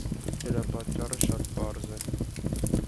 Դրա պատճառը շատ պարզ է։